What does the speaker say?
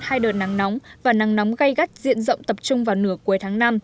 hai đợt nắng nóng và nắng nóng gây gắt diện rộng tập trung vào nửa cuối tháng năm